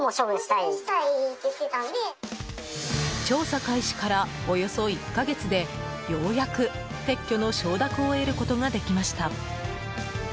調査開始からおよそ１か月でようやく撤去の承諾を得ることができました。